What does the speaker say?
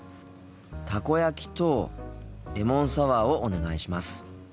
たこ焼きとレモンサワーをお願いします。